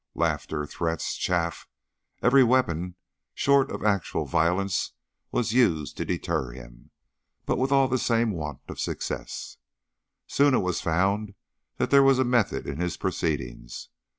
Laughter, threats, chaff every weapon short of actual violence was used to deter him, but all with the same want of success. Soon it was found that there was a method in his proceedings.